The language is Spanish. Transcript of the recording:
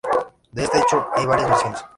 De este hecho, hay varias versiones.